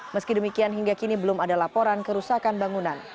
meski demikian hingga kini belum ada laporan kerusakan bangunan